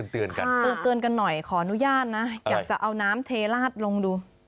เตือนกันเตือนกันหน่อยขออนุญาตนะอยากจะเอาน้ำเทลาดลงดู